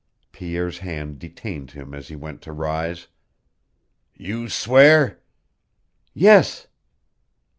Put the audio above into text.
Pierre's hand detained him as he went to rise. "You swear " "Yes."